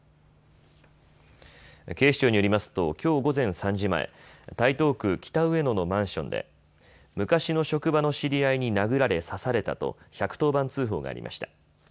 警視庁によりますときょう午前３時前、台東区北上野のマンションで昔の職場の知り合いに殴られ刺されたと１１０番通報がありました。